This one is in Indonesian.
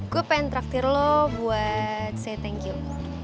gue pengen traktir lo buat saya thank you